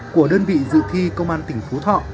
của đơn vị dự thi công an tỉnh phú thọ